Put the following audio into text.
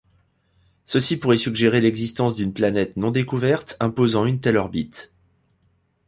Ceci pourrait suggérer l'existence d'une planète non-découverte imposant une telle orbite.